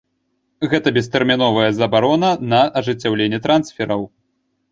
Гэта бестэрміновая забарона на ажыццяўленне трансфераў.